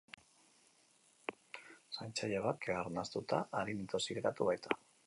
Zaintzaile bat artatu behar izan dute, kea arnastuta arin intoxikatu baita.